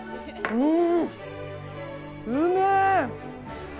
うん。